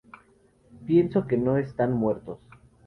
Pienso que no están muertos.